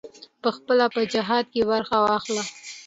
پخپله په جهاد کې برخه واخله.